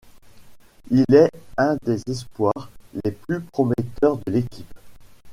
Il est un des espoirs les plus prometteurs de l'équipe.